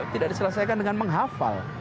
tidak diselesaikan dengan menghafal